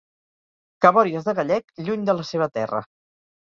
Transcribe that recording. Cabòries de gallec lluny de la seva terra.